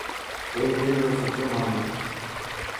اي دل رو سچو ماڻهو هي.